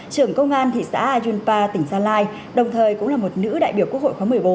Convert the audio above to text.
trưởng công an thị xã yunpa tỉnh gia lai đồng thời cũng là một nữ đại biểu quốc hội khóa một mươi bốn